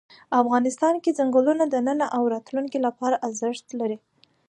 افغانستان کې ځنګلونه د نن او راتلونکي لپاره ارزښت لري.